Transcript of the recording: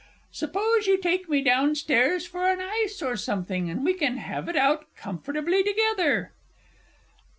Suppose you take me down stairs for an ice or something, and we can have it out comfortably together.